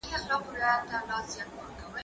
زه به قلم استعمالوم کړی وي!.